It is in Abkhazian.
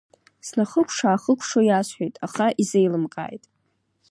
Снахыкәша-аахыкәшо иасҳәеит, аха изеилымкааит.